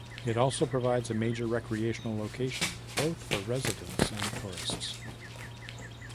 It also provides a major recreational location, both for residents and tourists.